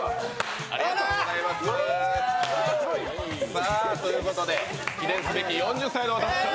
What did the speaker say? さあ、ということで記念すべき４０歳のお誕生日。